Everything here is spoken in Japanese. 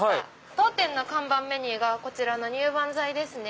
当店の看板メニューがこちらのにゅばんざいですね。